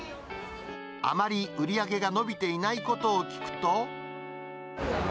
あまり売り上げが伸びていないこま